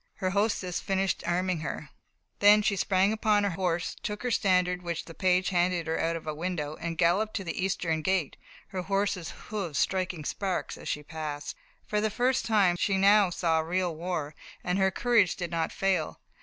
Her hostess finished arming her, then she sprang upon her horse, took her standard which the page handed her out of a window, and galloped to the eastern gate, her horse's hoofs striking sparks as she passed. For the first time she now saw real war, and her courage did not fail.